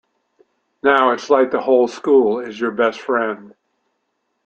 Now it's like the whole school is your best friend.